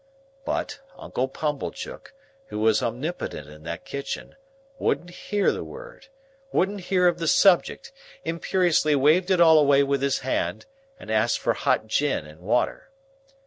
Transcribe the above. But, Uncle Pumblechook, who was omnipotent in that kitchen, wouldn't hear the word, wouldn't hear of the subject, imperiously waved it all away with his hand, and asked for hot gin and water.